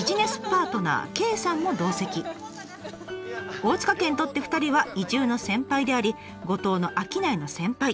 大塚家にとって２人は移住の先輩であり五島の商いの先輩。